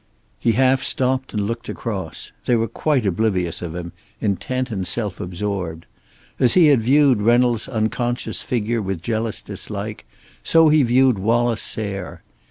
He half stopped, and looked across. They were quite oblivious of him, intent and self absorbed. As he had viewed Reynolds' unconscious figure with jealous dislike, so he viewed Wallace Sayre.